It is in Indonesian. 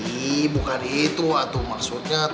ih bukan itu atu maksudnya teh